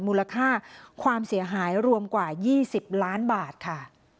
มูลค่าความเสียหายรวมกว่า๒๐ล้านบาทค่ะ